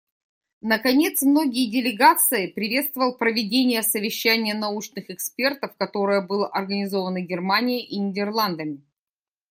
Наконец, многие делегации приветствовал проведение совещания научных экспертов, которое было организовано Германией и Нидерландами.